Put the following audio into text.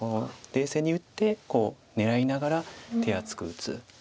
冷静に打ってこう狙いながら手厚く打つ。